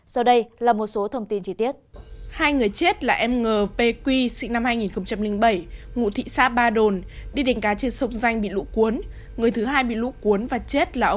sau đây là một số thông tin chi tiết